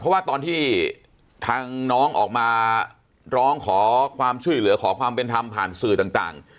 เพราะว่าตอนที่ทางน้องออกมาร้องขอความช่วยเหลือขอความเป็นธรรมผ่านสื่อต่าง